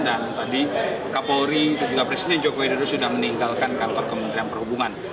dan tadi kapolri dan juga presiden joko widodo sudah meninggalkan kantor kementerian perhubungan